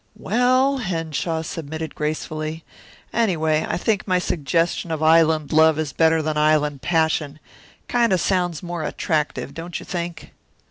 "Well," Henshaw submitted gracefully, "anyway, I think my suggestion of Island Love is better than Island Passion kind of sounds more attractive, don't you think?"